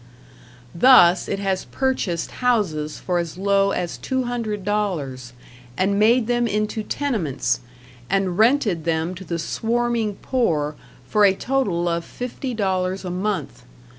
Thus it has purchased houses for as low as $200, and made them into tenements, and rented them to the swarming poor for a total of fifty dollars a month.